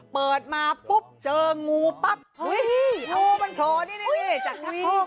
เปิดมาปุ๊บเจองูปั๊บอุ้ยงูมันโผล่นี่จากชักโครก